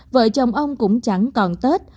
vợ chồng ông cũng chẳng còn tết